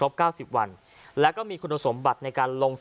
ว่าใช้หลักชาติหน่อย